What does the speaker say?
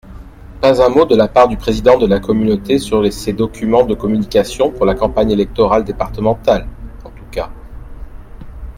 Pas un mot de la part du Président de la communauté sur ses documents de communication pour la campagne électorale départementale, en tous cas.